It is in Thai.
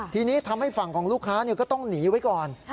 ทีนี้ทำให้ฝั่งของลูกค้าก็ต้องหนีไว้ก่อน